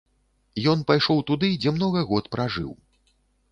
Ён пайшоў туды, дзе многа год пражыў.